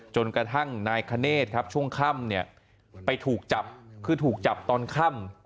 จนกระทั่งนายคเนธครับช่วงค่ำเนี่ยไปถูกจับคือถูกจับตอนค่ำ